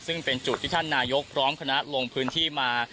ซึ่งเป็นจุดที่ท่านนายกพร้อมคณะลงพื้นที่มา